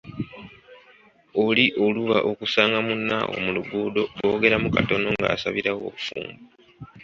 "Oli oluba okusanga munne awo mu luguudo, boogeramu katono nga asabirawo obufumbo."